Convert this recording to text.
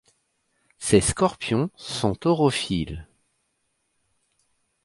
Ces scorpions sont orophiles.